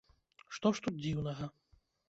Што ж тут дзіўнага?